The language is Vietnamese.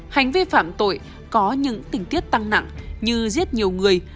hành vi phạm tội có những tình tiết tăng nặng như giết nhiều người